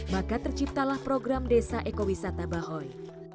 maka terciptalah program desa ekowisata bahoy